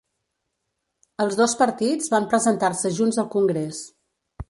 Els dos partits van presentar-se junts al congrés